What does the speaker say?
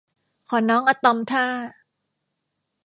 ขอน้องอะตอมท่า